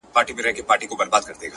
او حالت سختيږي-